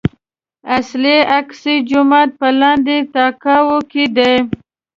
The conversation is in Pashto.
اصلي اقصی جومات په لاندې تاكاوۍ کې دی.